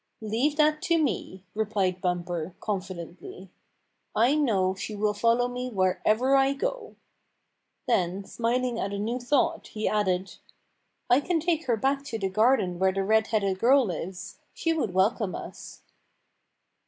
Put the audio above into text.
"Leave that to me," replied Bumper, confi dently. " I know she will follow me wherever I go." Then, smiling at a new thought, he added: "I can take her back to the garden where the red headed girl lives. She would welcome us."